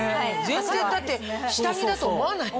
全然下着だと思わない。